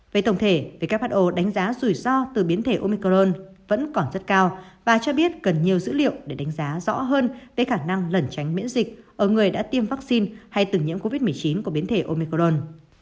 về tổng thể who đánh giá rủi ro từ biến thể omicron vẫn còn rất cao và cho biết cần nhiều dữ liệu để đánh giá rõ hơn về khả năng lẩn tránh miễn dịch ở người đã tiêm vaccine hay từng nhiễm covid một mươi chín của biến thể omicron